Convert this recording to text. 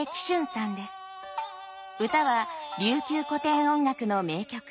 唄は琉球古典音楽の名曲